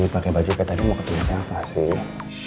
pake baju kayak tadi mau ketemu siapa sih